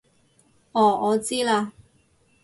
哦我知喇